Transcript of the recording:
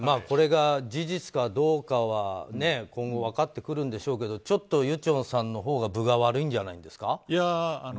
これが事実かどうかは今後分かってくるんでしょうけどちょっとユチョンさんのほうが分が悪いんじゃないですか。